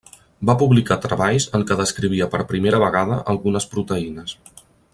Va publicar treballs en què descrivia per primera vegada algunes proteïnes.